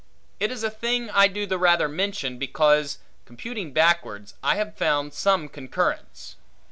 It is a thing I do the rather mention, because, computing backwards, I have found some concurrence.